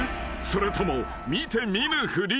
それとも見て見ぬふり？］